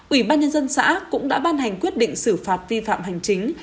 ủy ban nhân dân xã cũng đã ban hành quyết định xử phạt vi phạm hành chính